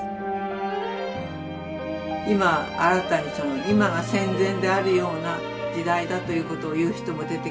今新たに今が戦前であるような時代だということを言う人も出てきて。